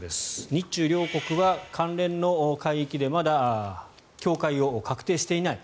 日中両国は関連の海域でまだ境界を確定していない。